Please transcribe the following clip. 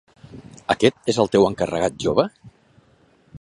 Aquest és el teu encarregat jove?